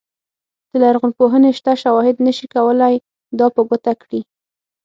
د لرغونپوهنې شته شواهد نه شي کولای دا په ګوته کړي.